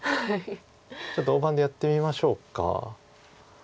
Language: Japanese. ちょっと大盤でやってみましょうか。